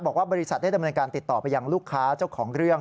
บริษัทได้ดำเนินการติดต่อไปยังลูกค้าเจ้าของเรื่อง